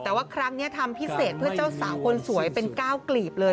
แต่ว่าครั้งนี้ทำพิเศษเพื่อเจ้าสาวคนสวยเป็นก้าวกลีบเลย